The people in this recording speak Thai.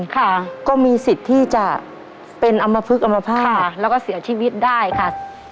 ค่ะก็มีสิทธิ์ที่จะเป็นอำมพลึกอมภาษณ์แล้วก็เสียชีวิตได้ค่ะ